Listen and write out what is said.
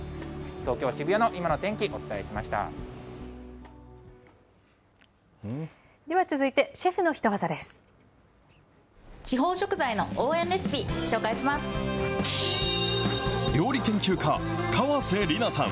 東京・渋谷の今の天気、お伝えしでは続いて、シェフのヒトワ料理研究家、河瀬璃菜さん。